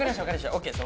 ＯＫです。